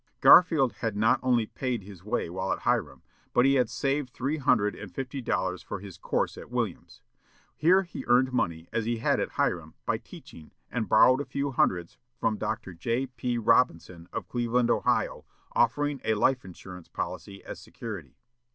Garfield had not only paid his way while at Hiram, but he had saved three hundred and fifty dollars for his course at Williams. Here he earned money, as he had at Hiram, by teaching, and borrowed a few hundreds from Dr. J. P. Robinson of Cleveland, Ohio, offering a life insurance policy as security.